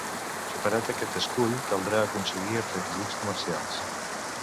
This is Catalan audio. Superat aquest escull, caldrà aconseguir els requisits comercials.